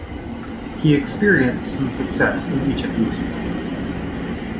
He experienced some success in each of these sports.